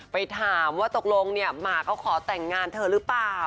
ไปถามว่าตกลงเนี่ยหมาเขาขอแต่งงานเธอหรือเปล่า